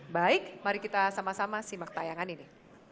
baik mari kita sama sama simak tayangan ini